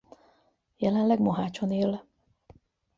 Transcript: Jelenleg Mohácson él.